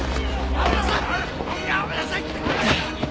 やめなさいって！